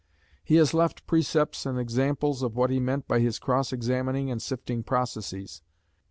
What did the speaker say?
He has left precepts and examples of what he meant by his cross examining and sifting processes.